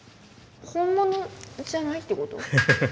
本物じゃないってこと？